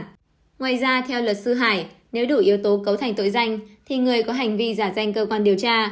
ngoài ra theo luật sư hải nếu đủ yếu tố cấu thành tội danh thì người có hành vi giả danh cơ quan điều tra